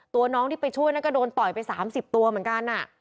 ตัวน้องที่ไปช่วยนั่นก็โดนต่อยไป๓๐ตัวเหมือนกัน